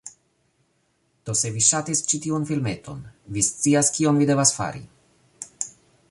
Do se vi ŝatis ĉi tiun filmeton, vi scias, kion vi devas fari: